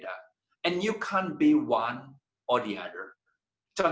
dan anda tidak bisa menjadi satu atau lain